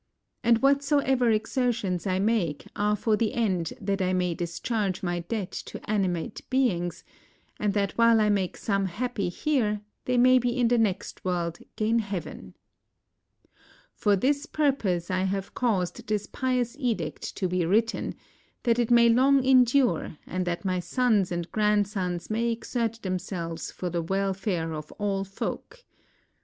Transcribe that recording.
And whatsoever exertions I make are for the end that I may discharge my debt to animate beings, and that while I make some happy here, they may in the next world gain heaven. 93 INDIA For this purpose, have I caused this pious edict to be written, that it may long endure, and that my sons and grandsons may exert themselves for the welfare of all folk.